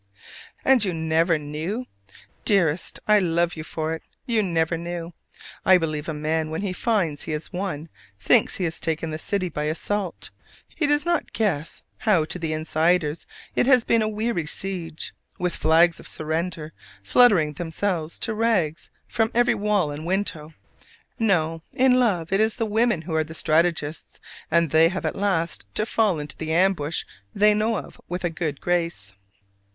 And you never knew? Dearest, I love you for it, you never knew! I believe a man, when he finds he has won, thinks he has taken the city by assault: he does not guess how to the insiders it has been a weary siege, with flags of surrender fluttering themselves to rags from every wall and window! No: in love it is the women who are the strategists: and they have at last to fall into the ambush they know of with a good grace.